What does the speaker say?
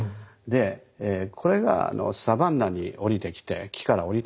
でこれがサバンナに下りてきて木から下りてきてですね